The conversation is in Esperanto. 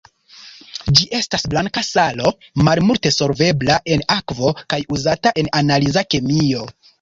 Ĝi estas blanka salo, malmulte solvebla en akvo kaj uzata en analiza kemio.